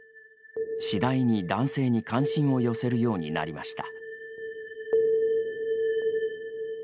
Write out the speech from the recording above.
次第に男性に関心を寄せるようになりました。